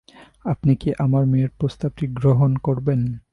আপনি কি আমার মেয়ের প্রস্তাবটি গ্রহণ করবেন?